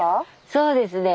そうですね。